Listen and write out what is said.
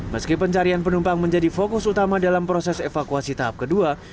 meski pencarian penumpang menjadi fokus utama dalam proses evakuasi tahap kedua